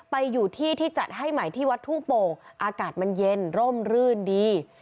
ไปอยู่ที่ที่จัดให้ใหม่ที่วัดทุ่งโป่งอากาศมันเย็นร่มรื่นดี